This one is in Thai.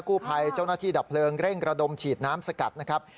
กู้ภัยเจ้าหน้าที่ดับเพลิงเร่งระดมฉีดน้ำสกัดนะครับ